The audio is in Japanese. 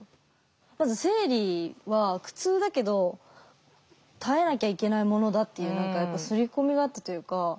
まず生理は苦痛だけど耐えなきゃいけないものだっていう何かやっぱ刷り込みがあったというか。